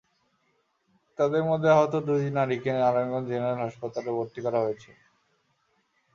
তাদের মধ্যে আহত দুই নারীকে নারায়ণগঞ্জ জেনারেল হাসপাতালে ভর্তি করা হয়েছে।